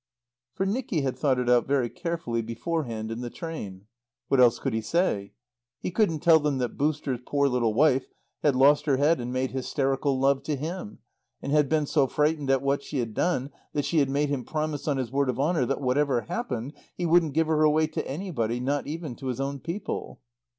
For Nicky had thought it out very carefully beforehand in the train. What else could he say? He couldn't tell them that "Booster's" poor little wife had lost her head and made hysterical love to him, and had been so frightened at what she had done that she had made him promise on his word of honour that, whatever happened, he wouldn't give her away to anybody, not even to his own people.